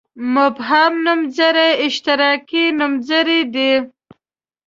مبهم نومځري اشتراکي نومځري دي.